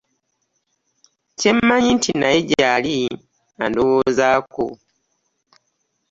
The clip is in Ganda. Kyemanyi nti naye gyali andowoozaako.